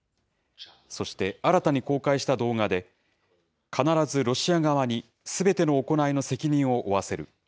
そして、新たに公開した動画で、必ずロシア側にすべての行いの責任を負わせる。